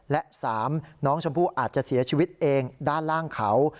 และ๓น้องชมพู่อาจจะเสียชีวิตเองด้านล่างเขา